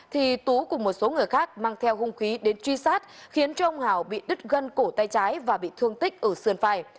thì tú cùng một số người khác mang theo hung khí đến truy sát khiến cho ông hào bị đứt gân cổ tay trái và bị thương tích ở sườn phải